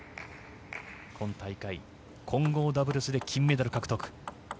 今大会混合ダブルスで金メダル獲得。